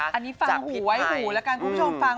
อันนี้ฟังหูไว้หูแล้วกันคุณผู้ชมฟัง